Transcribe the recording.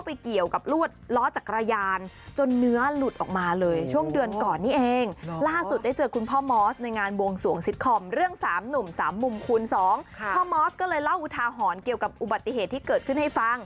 นี่คือลูกค่ะ